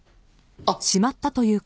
あっ。